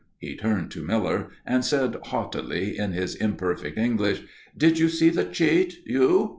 He turned to Miller, and said haughtily in his imperfect English, "Did you see the cheat, you?"